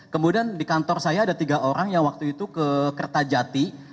kemudian di kantor saya ada tiga orang yang waktu itu ke kertajati